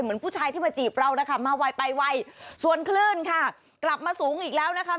เหมือนผู้ชายที่มาจีบเรานะคะมาไวไปไวส่วนคลื่นค่ะกลับมาสูงอีกแล้วนะคะ